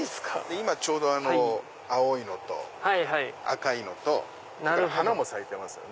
今ちょうど青いのと赤いのとそれから花も咲いてます。